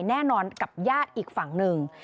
แน่นอนกับญาติอีกฝั่งหนึ่ง